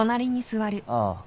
ああ。